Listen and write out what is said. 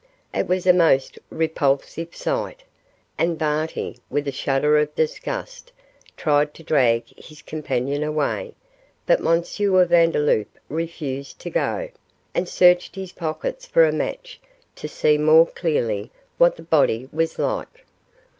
It was a most repulsive sight, and Barty, with a shudder of disgust, tried to drag his companion away, but M. Vandeloup refused to go, and searched his pockets for a match to see more clearly what the body was like.